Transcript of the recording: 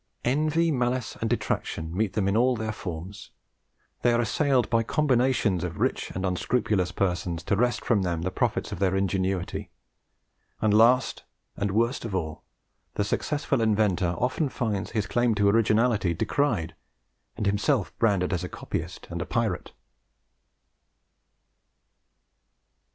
Envy, malice, and detraction meet them in all their forms; they are assailed by combinations of rich and unscrupulous persons to wrest from them the profits of their ingenuity; and last and worst of all, the successful inventor often finds his claims to originality decried, and himself branded as a copyist and a pirate.